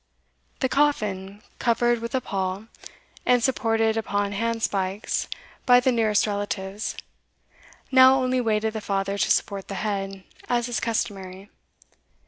The coffin, covered with a pall, and supported upon hand spikes by the nearest relatives, now only waited the father to support the head, as is customary.